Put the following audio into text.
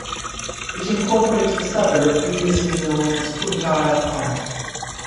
It incorporates the suburb previously known as Koongarra Park.